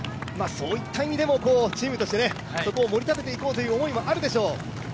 そういった意味でも、チームとしてそこを盛り立てていこうという思いもあるでしょう。